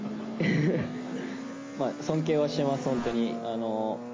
まあ、尊敬はしてます、本当に。